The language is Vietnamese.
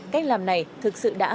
cách làm này thực sự đã